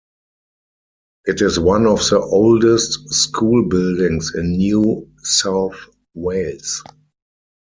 It is one of the oldest school buildings in New South Wales.